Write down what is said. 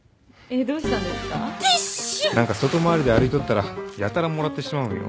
何か外回りで歩いとったらやたらもらってしまうんよ。